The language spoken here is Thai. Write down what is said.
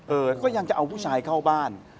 ก็ยังจะเอาผู้ชายเข้าบ้าน